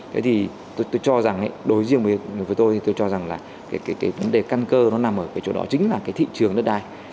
thế thì tôi cho rằng đối riêng với tôi thì tôi cho rằng là cái vấn đề căn cơ nó nằm ở cái chỗ đó chính là cái thị trường đất đai